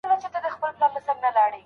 شاګرد له ډېر وخته د استاد همکاري غواړي.